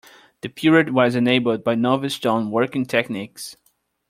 The period was enabled by novel stone working techniques.